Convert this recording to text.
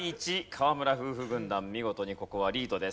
河村夫婦軍団見事にここはリードです。